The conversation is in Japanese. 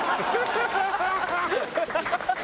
「ハハハハ！」